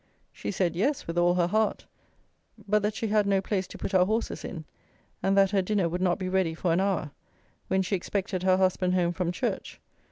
She said "Yes," with all her heart, but that she had no place to put our horses in, and that her dinner would not be ready for an hour, when she expected her husband home from church.